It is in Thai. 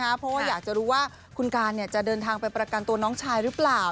เพราะว่าอยากจะรู้ว่าคุณการจะเดินทางไปประกันตัวน้องชายหรือเปล่า